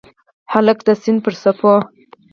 هلک د سیند پر څپو